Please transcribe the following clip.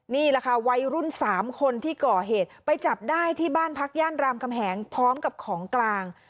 นี่แหละค่ะวัยรุ่น๓คนที่ก่อเหตุไปจับได้ที่บ้านพักย่านรามคำแหงพร้อมกับของกลาง